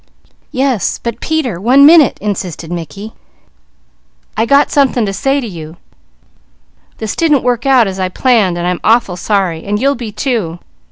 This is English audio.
"Yes, but Peter, one minute," insisted Mickey. "I got something to say to you. This didn't work out as I planned, and I'm awful sorry, and you'll be too.